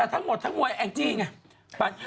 แต่ทั้งหมดทั้งมวลแองจี้ไง